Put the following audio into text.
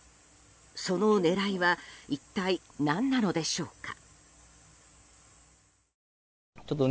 その狙いは一体何なのでしょうか。